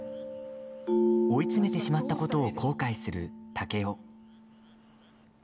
追い詰めてしまったことを後悔する竹雄。